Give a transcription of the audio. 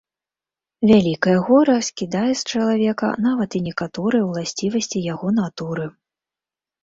Вялікае гора скідае з чалавека нават і некаторыя ўласцівасці яго натуры.